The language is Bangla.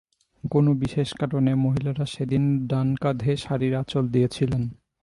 কোনো বিশেষ কারণে মহিলারা সেদিন ডান কাঁধে শাড়ির আঁচল দিয়েছিলেন।